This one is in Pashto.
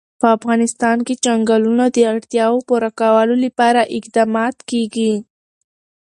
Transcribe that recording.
په افغانستان کې د چنګلونه د اړتیاوو پوره کولو لپاره اقدامات کېږي.